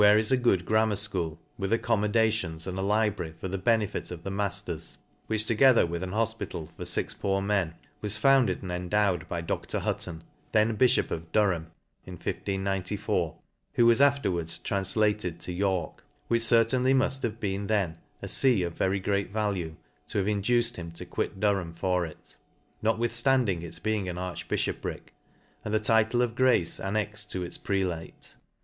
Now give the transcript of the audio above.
293 is a good grammar fchool, with accommodations, and a library for the benefit of the matters ; which, together with an hofpital for fix poor men, was founded and endowed by Dr. Hidton, then bifhop of Durham* in 1594, who was afterwards tranflated to York; which certainly muft have been then a fee of very great value, to have induced him to quit Durham for it, notwithftanding its being an arch bifhoprick, and the title of Grace annexed to its prelate.